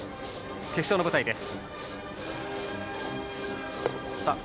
決勝の舞台です。